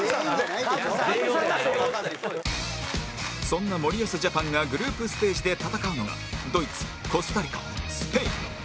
そんな森保ジャパンがグループステージで戦うのがドイツコスタリカスペイン